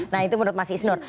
nah itu menurut mas isnur